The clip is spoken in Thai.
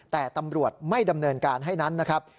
แต่ตำรวจไม่ดำเนินการให้นั้นนะครับ